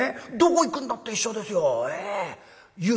湯へ行くんだって一緒ですよ。